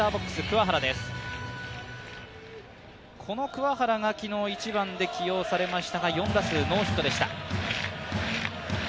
桑原が昨日１番で起用されましたが４打数ノーヒットでした。